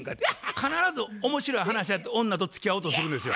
必ず面白い話やって女とつきあおうとするんですよ。